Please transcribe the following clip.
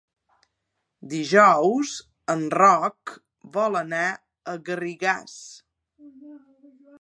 Dijous en Roc vol anar a Garrigàs.